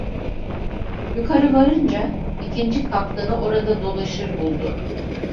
Yukarı varınca ikinci kaptanı orada dolaşır buldu.